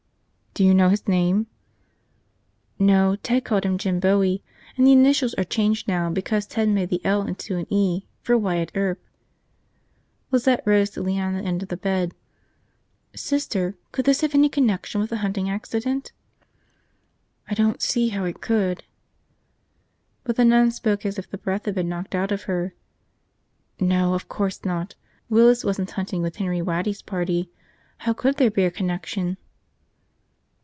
"Do you know his name?" "No. Ted called him Jim Bowie. And the initials are changed now because Ted made the L into an E. For Wyatt Earp." Lizette rose, to lean on the end of the bed. "Sister, could this have any connection with the hunting accident?" "I don't see how it could." But the nun spoke as if the breath had been knocked out of her. "No, of course not. Willis wasn't hunting with Henry Waddy's party. How could there be a connection?"